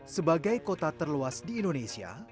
sebagai kota terluas di indonesia